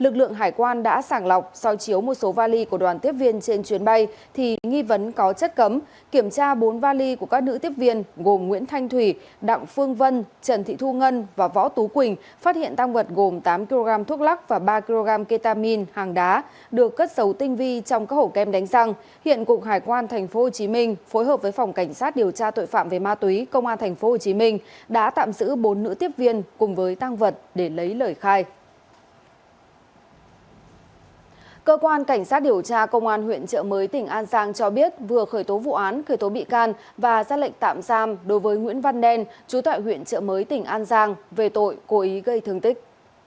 cơ quan cảnh sát điều tra công an huyện trợ mới tỉnh an giang cho biết vừa khởi tố vụ án khởi tố bị can và ra lệnh tạm giam đối với nguyễn văn đen chú tội huyện trợ mới tỉnh an giang về tội cố ý gây thương tích